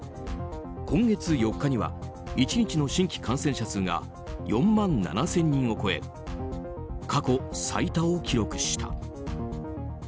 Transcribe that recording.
今月４日には１日の新規感染者数が４万７０００人を超え過去最多を記録した。